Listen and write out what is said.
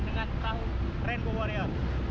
dengan perahu rainbow warrior